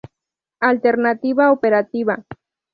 Alternativa operativa".